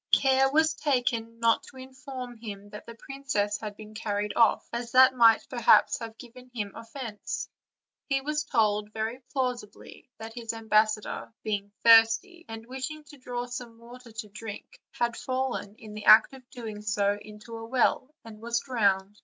Care was taken not to inform him that the princess had been carried off, as that might perhaps have given him offence; he was told, very plausibly, that his ambassador, being thirsty, and wishing to draw some water to drink, had fallen, in the act of doing so, into a well, and was drowned.